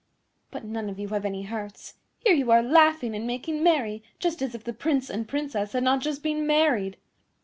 But none of you have any hearts. Here you are laughing and making merry just as if the Prince and Princess had not just been married."